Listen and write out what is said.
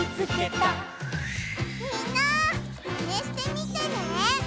みんなマネしてみてね！